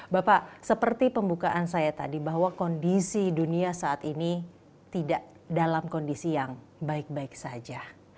bapak seperti pembukaan saya tadi bahwa kondisi dunia saat ini tidak dalam kondisi yang baik baik saja